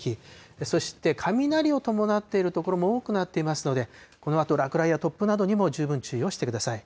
そして雷を伴っている所も多くなっていますので、このあと落雷や突風などにも十分注意をしてください。